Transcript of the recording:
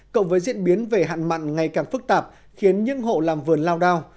cộng với diễn biến về hạn mặn ngày càng phức tạp khiến những hộ làm vườn lao đao